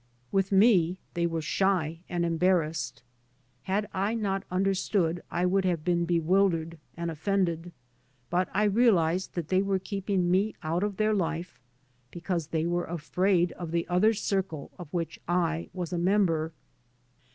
With me they were shy and embarrassed. Had I not understood I would have been bewildered and ofiended, but I realised that they were keeping me out of their life because they were afraid of the other circle of which I was a member.